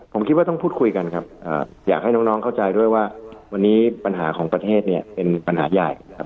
ผมคิดว่าต้องพูดคุยกันครับอยากให้น้องเข้าใจด้วยว่าวันนี้ปัญหาของประเทศเนี่ยเป็นปัญหาใหญ่นะครับ